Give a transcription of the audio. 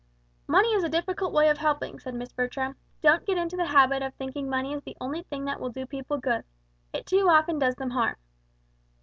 "Money is a difficult way of helping," said Miss Bertram; "don't get into the habit of thinking money is the only thing that will do people good. It too often does them harm."